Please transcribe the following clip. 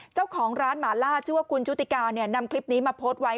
เจ้าของร้านหมาล่าชื่อว่าคุณชุติกาเนี่ยนำคลิปนี้มาโพสต์ไว้